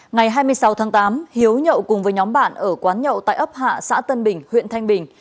ngày hai mươi sáu tháng tám hiếu nhậu cùng với nhóm bạn ở quán nhậu tại ấp hạ xã tân bình huyện thanh bình